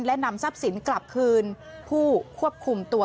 และนำทรัพย์สินกลับคืนผู้ควบคุมตัว